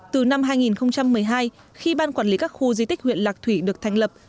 từ năm hai nghìn một mươi hai khi ban quản lý các khu di tích huyện lạc thủy được thành lập